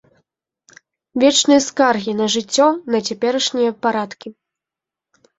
Вечныя скаргі на жыццё, на цяперашнія парадкі.